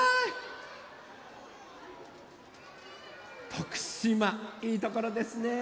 徳島いいところですね。